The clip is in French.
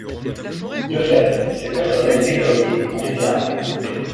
De fait, ces personnels déployés ont été armés.